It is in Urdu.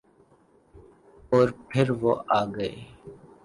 اورپھر وہ آگئے۔